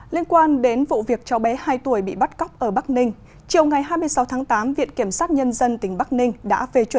liên quan đến vụ việc cháu bé hai tuổi bị bắt cóc ở bắc ninh chiều ngày hai mươi sáu tháng tám viện kiểm sát nhân dân tỉnh bắc ninh